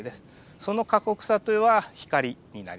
その過酷さとは光になります。